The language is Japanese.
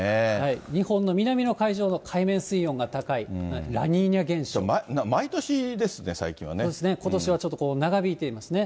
日本の南の海上の海面水温が高い、毎年ですね、そうですね、ことしはちょっと長引いていますね。